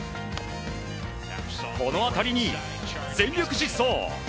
この当たりに全力疾走！